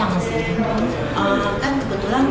kan kebetulan saya bekerja sebagai wanita di negara negara orang